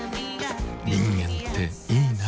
人間っていいナ。